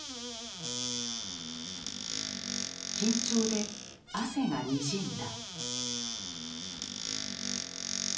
緊張で汗がにじんだ。